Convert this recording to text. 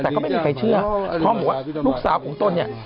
แต่ก็ไม่มีใครเชื่อพร้อมบอกว่าลูกสาวของตนเนี่ย